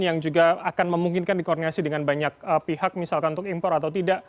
yang juga akan memungkinkan dikoordinasi dengan banyak pihak misalkan untuk impor atau tidak